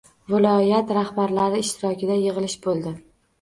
Viloyat rahbarlari ishtirokida yigʻilish boʻldi.